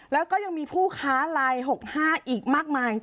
แล้วก็ยังมีผู้ค้าลาย๖๕อีกมากมาย